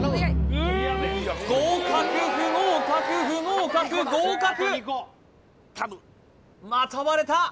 合格不合格不合格合格また割れた！